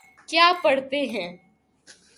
کیا پڑھتے ہیں